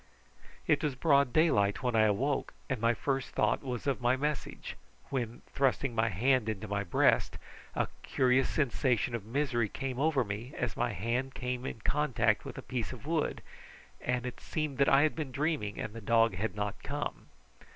It was broad daylight when I awoke, and my first thought was of my message, when, thrusting my hand into my breast, a curious sensation of misery came over me as my hand came in contact with a piece of wood, and it seemed that I had been dreaming and the dog had not come.